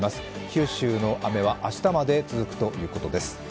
九州の雨は明日まで続くということです。